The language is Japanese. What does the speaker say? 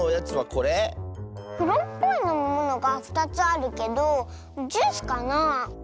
くろっぽいのみものが２つあるけどジュースかなあ。